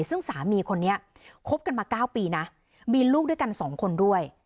ซึ่งสามีคนนี้คบกันมา๙ปีนะมีลูกด้วยกัน๒คนด้วย